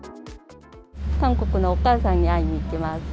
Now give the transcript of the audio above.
韓国のお母さんに会いに行きます。